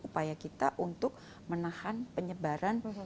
upaya kita untuk menahan penyebaran